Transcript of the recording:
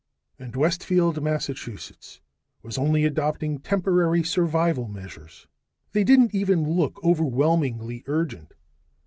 And Westfield, Massachusetts, was only adopting temporary survival measures. They didn't even look overwhelmingly urgent.